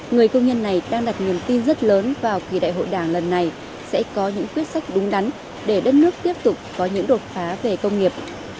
người công nhân này đang đặt niềm tin rất lớn vào kỳ đại hội đảng lần này sẽ có những quyết sách đúng đắn để đất nước tiếp tục có những đột phá về công nghiệp